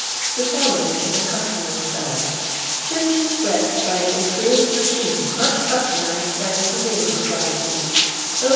The following is a customary style :—" Chimneys swept by the improved machine, much patronized by the Humane Society.